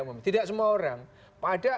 umum tidak semua orang pada